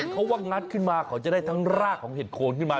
เขาว่างัดขึ้นมาเขาจะได้ทั้งรากของเห็ดโคนขึ้นมา